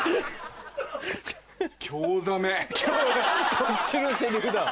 こっちのセリフだわ。